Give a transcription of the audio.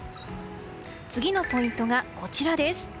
次のポイントが、こちらです。